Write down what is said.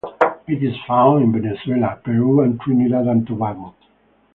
It is found in Venezuela, Peru and Trinidad and Tobago.